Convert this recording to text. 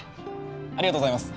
ありがとうございます。